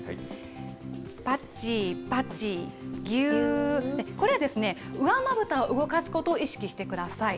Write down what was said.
パチパチギュー、これはですね、上まぶたを動かすことを意識してください。